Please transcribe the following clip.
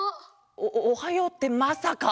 おおはようってまさか！？